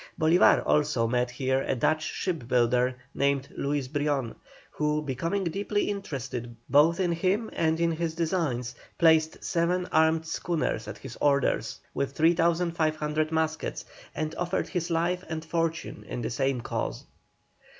Bolívar also met here a Dutch shipbuilder named Luis Brion, who, becoming deeply interested both in him and in his designs, placed seven armed schooners at his orders, with 3,500 muskets, and offered his life and fortune in the same cause.